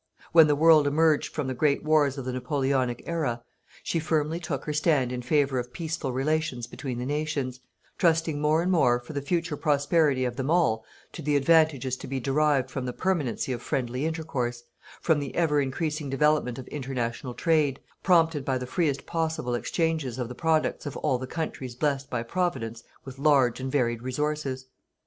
When the World emerged from the great wars of the Napoleonic Era, she firmly took her stand in favour of peaceful relations between the nations, trusting more and more for the future prosperity of them all to the advantages to be derived from the permanency of friendly intercourse, from the ever increasing development of international trade, prompted by the freest possible exchanges of the products of all the countries blessed by Providence with large and varied resources.